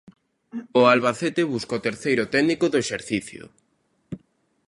O Albacete busca o terceiro técnico do exercicio.